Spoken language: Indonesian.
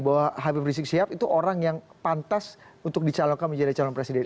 bahwa habib rizik sihab itu orang yang pantas untuk dicalonkan menjadi calon presiden